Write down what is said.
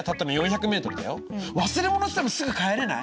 忘れ物してもすぐ帰れない？